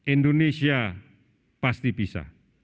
indonesia pasti bisa